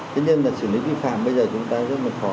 tuy nhiên là xử lý vi phạm bây giờ chúng ta rất là khó